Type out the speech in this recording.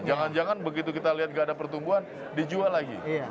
jangan jangan begitu kita lihat gak ada pertumbuhan dijual lagi